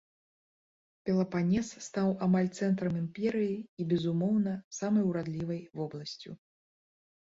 Пелапанес стаў амаль цэнтрам імперыі і, безумоўна, самай урадлівай вобласцю.